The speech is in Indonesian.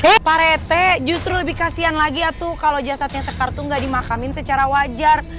eh pak rt justru lebih kasihan lagi ya tuh kalau jasadnya sekar tuh nggak dimakamin secara wajar